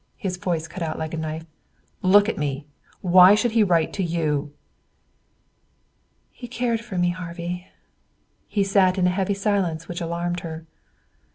His voice cut like a knife. "Look at me. Why should he write to you?" "He cared for me, Harvey." He sat in a heavy silence which alarmed her.